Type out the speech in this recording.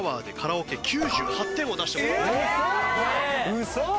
ウソ！？